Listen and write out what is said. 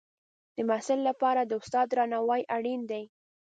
د محصل لپاره د استاد درناوی اړین دی.